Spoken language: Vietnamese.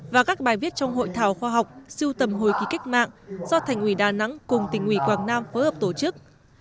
và các bài viết trong hội thảo khoa học siêu tầm hồi ký cách mạng do thành ủy đà nẵng cùng tỉnh ủy quảng nam phối hợp tổ chức